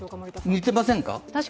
似てませんか？